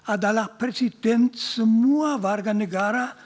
adalah presiden semua warga negara